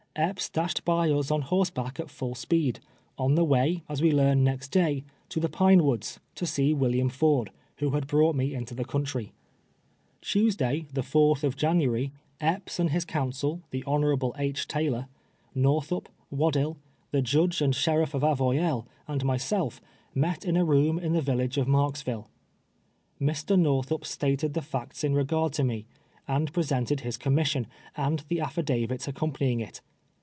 E})ps dashed by us on horseback at full speed — on the way, as we learned next day, to the "Pine AVoods," to see William Ford, who had brought me into the countrv. DErAETUEE IIOMT.WAED. 309 Tuesday, the fourtli of January, Epps and Iiis coun sel, the Hon. PI. Tayh:)r, Xorthup, Waddill, the Judge and sheriff of Avoyelles, and myself, met in a room in the village of Marksville. Mr. Xorthup stated the facts in regard to me, and presented his commission, and the affidavits accompanying it.